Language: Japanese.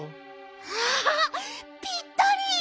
わあぴったり！